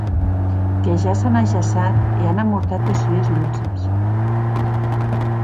Que ja s’an ajaçat e an amortat es sues lutzes.